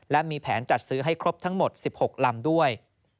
และมีแผนจัดซื้อให้ครบทั้งหมด๑๖ลำด้วย